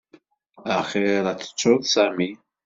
Axir ad tettuḍ Sami.